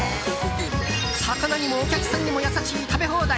魚にも、お客さんにも優しい食べ放題。